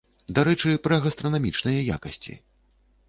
Дарэчы, пра гастранамічныя якасці.